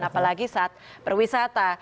apalagi saat perwisata